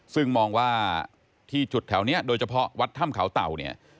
ซึ่งมองว่าที่จุดแถวนี้โดยเฉพาะวัดถ้ำเขาเต่าเนี่ย